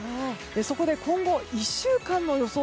そこで今後１週間の予想